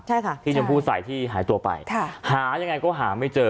ใช่ค่ะที่ชมพู่ใส่ที่หายตัวไปค่ะหายังไงก็หาไม่เจอ